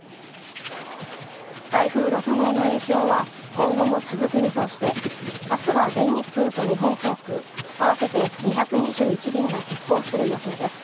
台風６号の影響は、今後も続く見通しで、あすは全日空と日本航空、合わせて２２１便が欠航する予定です。